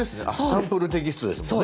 サンプルテキストですもんね。